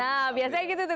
nah biasanya gitu tuh